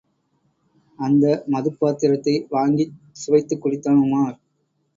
அந்த மதுப்பாத்திரத்தை வாங்கிச் சுவைத்துக் குடித்தான் உமார்.